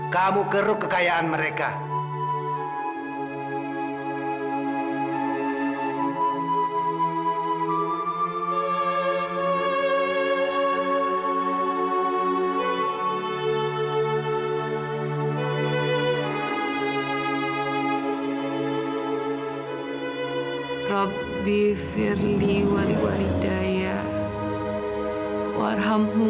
kamu keruk kekayaanmu